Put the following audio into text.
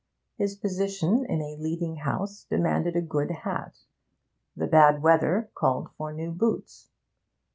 His position in a leading house demanded a good hat, the bad weather called for new boots.